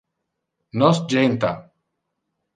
Nos jenta.